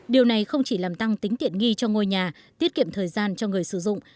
điều này không chỉ làm tăng tính tiện nghi cho ngôi nhà tiết kiệm thời gian cho người sử dụng